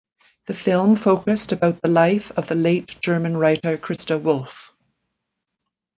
The film focused about the life of the late German writer Christa Wolf.